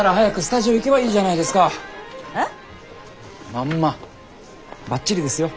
まんまばっちりですよ。